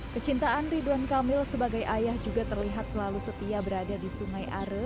kecintaan ridwan kamil sebagai ayah juga terlihat selalu setia berada di sungai are